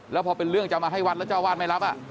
แล้วพอเป็นเรื่องจะมาให้วัดแล้วเจ้าวาดไม่รับ